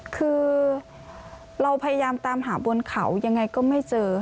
คือเราพยายามตามหาบนเขายังไงก็ไม่เจอ